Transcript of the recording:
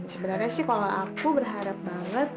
sebenarnya sih kalau aku berharap banget